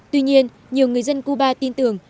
tuy nhiên nhiều người dân cuba tin tưởng